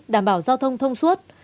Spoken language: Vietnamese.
đảm bảo giao thông thông suốt